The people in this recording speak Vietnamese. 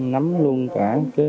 nắm luôn cả